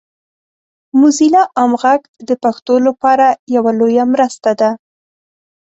موزیلا عام غږ د پښتو لپاره یوه لویه مرسته ده.